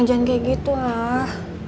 jangan kayak gitu lah